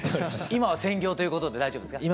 今は専業ということで大丈夫ですか？